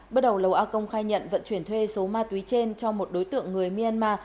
bước đầu lầu a công khai nhận vận chuyển thuê số ma túy trên cho một đối tượng người myanmar